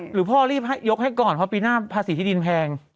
หรือพ่อรีบยกให้ก่อนเพราะปีหน้าภาษีที่ดินแพง